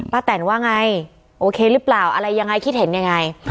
แตนว่าไงโอเคหรือเปล่าอะไรยังไงคิดเห็นยังไง